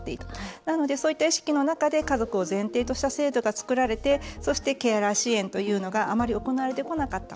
なので、そういった陰の中で家族を前提とした制度が作られてそして、ケアラー支援というのがあまり行われてこなかった。